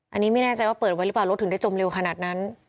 อันนี้ไม่แน่ใจว่าเปิดไว้หรือเปล่ารถถึงได้จมเร็วขนาดนั้น